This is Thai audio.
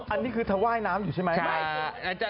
อันนี้คือเธอว่ายน้ำอยู่ใช่ไหม